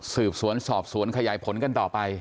สืบสวนสอบสวนขยายผลกันต่อไป